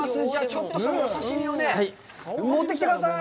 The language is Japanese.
ちょっとそのお刺身をね、持ってきてください。